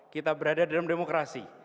kita berada dalam demokrasi